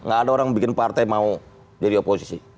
gak ada orang bikin partai mau jadi oposisi